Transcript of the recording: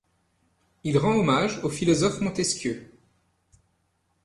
Il rend hommage au philosophe Montesquieu.